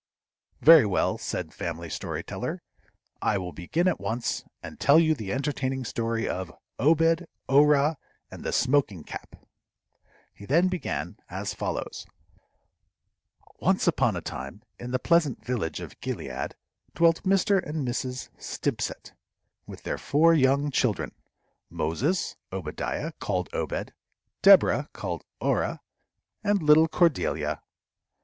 "Very well," said Family Story Teller, "I will begin at once, and tell you the entertaining story of 'Obed, Orah, and the Smoking Cap.'" He then began as follows: Once upon a time, in the pleasant village of Gilead, dwelt Mr. and Mrs. Stimpcett, with their four young children Moses, Obadiah (called Obed), Deborah (called Orah), and little Cordelia.